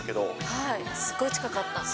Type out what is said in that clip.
すっごい近かった。